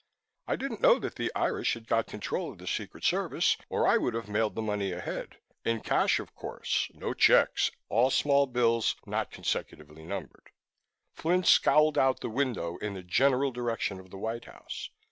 I didn't know that the Irish had got control of the Secret Service or I would have mailed the money ahead in cash, of course, no checks, all small bills not consecutively numbered." Flynn scowled out the window in the general direction of the White House.